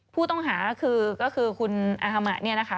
ผู้ต้องหาก็คือคุณอาฮมะ